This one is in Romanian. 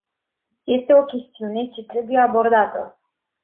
Este o chestiune ce trebuie abordată!